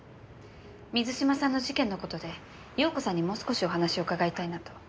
水嶋さんの事件の事で容子さんにもう少しお話を伺いたいなと。